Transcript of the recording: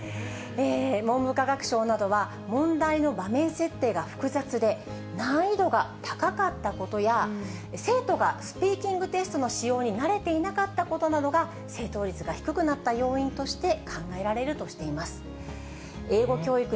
文部科学省などは、問題の場面設定が複雑で、難易度が高かったことや、生徒がスピーキングテストの仕様に慣れていなかったことなどが正答率が低くなった要因として考えられるとしています。